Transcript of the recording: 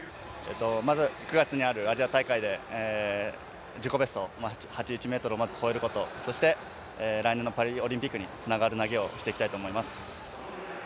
まず９月にあるアジア大会で自己ベスト、８１ｍをまず超えること、そして来年のパリオリンピックにつながる投げをしていきたいと思います。